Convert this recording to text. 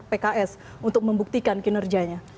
pks untuk membuktikan kinerjanya